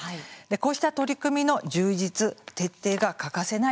こうした取り組みの充実徹底が欠かせないと思います。